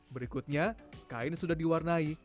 berikutnya kain sudah diwarnai